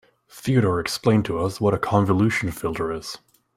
Theodore explained to us what a convolution filter is.